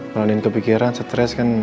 kalau andien kepikiran stres kan